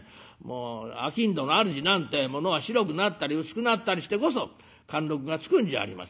商人のあるじなんてえものは白くなったり薄くなったりしてこそ貫禄がつくんじゃありませんか。